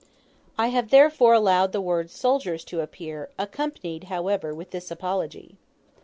I have therefore allowed the word "soldiers" to appear, accompanied, however, with this apology.